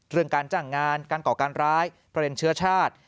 เรื่องการจ้างงานการก่อการร้ายประเด็นเชื้อชาติ